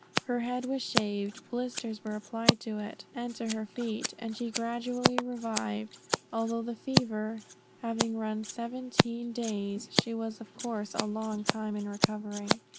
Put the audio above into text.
Her head was shaved, blisters were applied to it and to her feet, and she gradually revived; although the fever having run seventeen days, she was of course a long time in recovering.